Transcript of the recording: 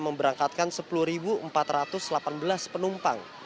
memberangkatkan sepuluh empat ratus delapan belas penumpang